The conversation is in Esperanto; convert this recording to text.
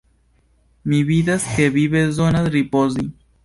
Mi vidas ke vi bezonas ripozi!